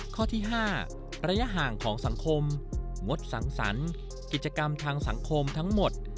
ข้อที่๕ระยะห่างของสังคมงดสังสรรค์กิจกรรมทางสังคมทั้งหมด